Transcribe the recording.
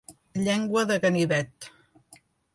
Llengua de ganivet.